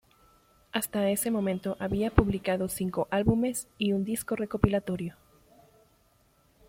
Hasta ese momento había publicado cinco álbumes y un disco recopilatorio.